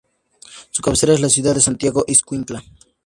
Su cabecera es la ciudad de Santiago Ixcuintla.